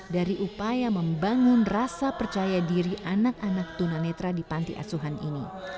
dari upaya membangun rasa percaya diri anak anak tunanetra di panti asuhan ini